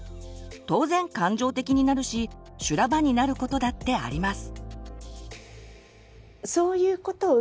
当然感情的になるし修羅場になることだってあります。